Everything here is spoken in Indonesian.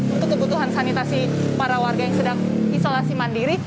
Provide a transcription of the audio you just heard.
untuk kebutuhan sanitasi para warga yang sedang isolasi mandiri